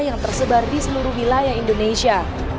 yang tersebar di seluruh wilayah indonesia